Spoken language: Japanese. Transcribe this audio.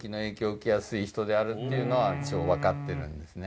敏感ですか人であるっていうのは一応分かっているんですね